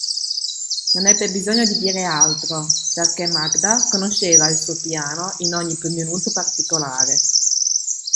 Non ebbe bisogno di dir altro, perché Magda conosceva il suo piano in ogni più minuto particolare.